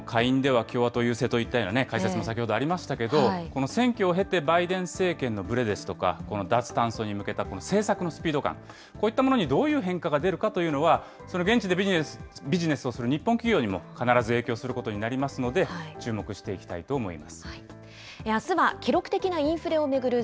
下院では共和党優勢といったような解説も先ほどありましたけれども、この選挙を経て、バイデン政権のぶれですとか、この脱炭素に向けたこの政策のスピード感、こういったものにどういった変化が出るかというのは、その現地でビジネスをする日本企業にも必ず影響することになりますので、注目していきたいと思い